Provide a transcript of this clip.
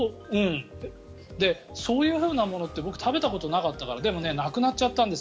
そういうふうなものって僕、食べたことがなかったからでもね、亡くなっちゃったんです